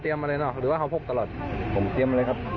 ท่านดูเหตุการณ์ก่อนนะครับ